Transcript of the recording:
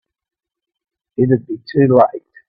It'd be too late.